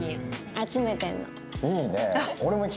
集めてんの。